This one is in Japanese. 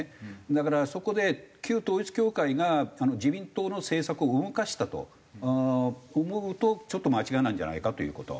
だからそこで旧統一教会が自民党の政策を動かしたと思うとちょっと間違いなんじゃないかという事。